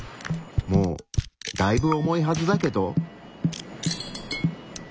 もうだいぶ重いはずだけど。